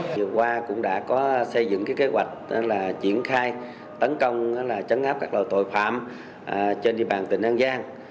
vừa qua cũng đã có xây dựng kế hoạch triển khai tấn công chấn áp các loại tội phạm trên địa bàn tỉnh an giang